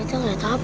ini tuh ngeliat apa